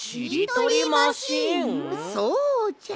そうじゃ。